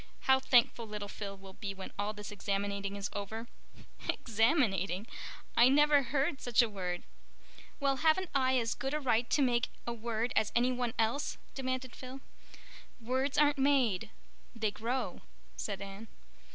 How thankful little Phil will be when all this examinating is over." "Examinating? I never heard such a word." "Well, haven't I as good a right to make a word as any one else?" demanded Phil. "Words aren't made—they grow," said Anne.